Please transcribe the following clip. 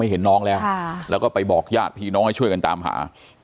เห็นน้องแล้วแล้วก็ไปบอกญาติพี่น้องให้ช่วยกันตามหา